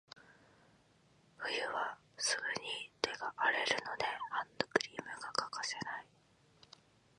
冬はすぐに手が荒れるので、ハンドクリームが欠かせない。